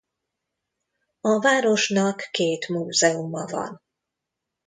A városnak két múzeuma van.